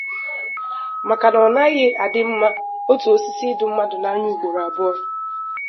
maka na ọ naghị adị mma otu osisi ịdụ mmadụ n'anya ugboro abụọ.